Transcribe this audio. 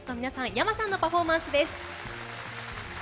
ｙａｍａさんのパフォーマンスです。